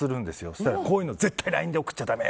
そうしたら、こういうの絶対ＬＩＮＥで送っちゃだめ！